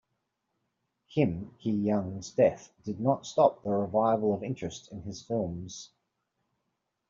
Kim Ki-young's death did not stop the revival of interest in his films.